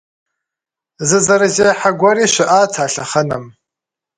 Зы зэрызехьэ гуэри щыӏат а лъэхъэнэм.